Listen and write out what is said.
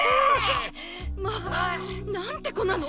まあ！なんて子なの！